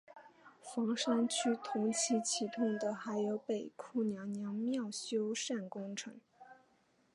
房山区同期启动的还有北窖娘娘庙修缮工程。